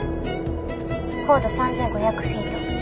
高度３，５００フィート。